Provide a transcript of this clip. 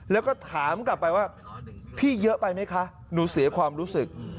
แล้วก็ถามกลับไปว่าพี่เยอะไปไหมคะหนูเสียความรู้สึก